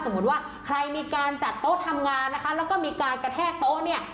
ว่าใครมีการจัดโต๊ะทำงานนะคะแล้วก็มีการกระแทกโต๊ะเนี่ย